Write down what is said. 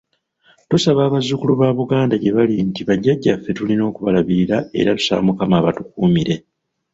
Tusaba abazzukulu ba Buganda gyebali nti bajjaja ffe tulina okubalabirira era tusaba Mukama abatukuumire.